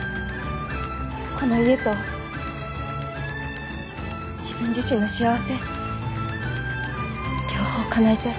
この家と自分自身の幸せ両方かなえたい。